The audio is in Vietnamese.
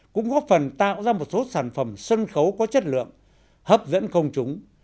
cũng góp phần tạo ra một số sản phẩm sân khấu có chất lượng hấp dẫn công chúng